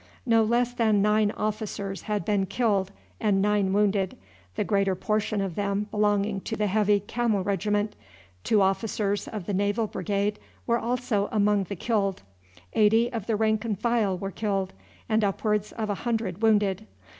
No less than nine officers had been killed and nine wounded, the greater portion of them belonging to the Heavy Camel Regiment. Two officers of the Naval Brigade were also among the killed. Eighty of the rank and file were killed, and upwards of a hundred wounded.